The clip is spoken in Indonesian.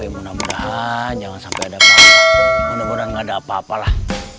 mudah mudahan gak ada apa apa lah